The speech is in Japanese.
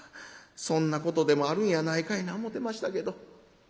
そんなことでもあるんやないかいな思てましたけど。